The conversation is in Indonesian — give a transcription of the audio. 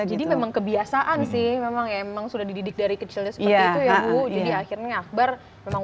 jadi memang kebiasaan sih memang ya memang sudah dididik dari kecil ya jadi akhirnya akbar memang